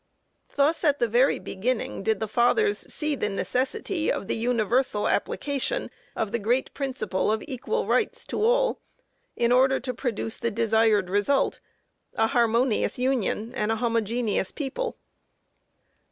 Thus, at the very beginning, did the fathers see the necessity of the universal application of the great principle of equal rights to all in order to produce the desired result a harmonious union and a homogeneous people.